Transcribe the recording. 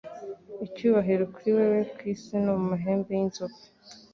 Icyubahiro kuri wewe kwisi no ku mahembe y'inzovu